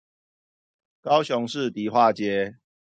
高雄市迪化街